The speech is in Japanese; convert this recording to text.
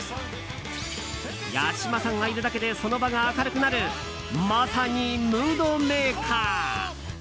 八嶋さんがいるだけでその場が明るくなるまさにムードメーカー。